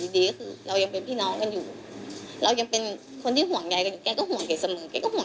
ดีคือกลับมา